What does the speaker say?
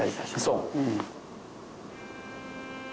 そう。